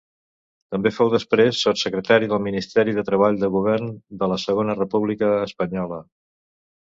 També fou després, sotssecretari del ministeri de treball del govern de la Segona República Espanyola.